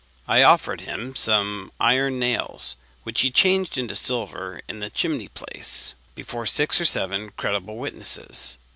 I offered him some iron nails, which he changed into silver in the chimney place before six or seven credible witnesses.